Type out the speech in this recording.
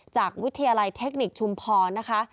จากวิทยาลัยเทคนิคชุมพรนะคะ